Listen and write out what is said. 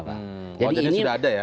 oh jadi sudah ada ya